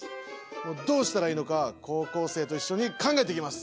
どうしたらいいのか高校生と一緒に考えていきます！